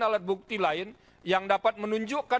alat bukti lain yang dapat menunjukkan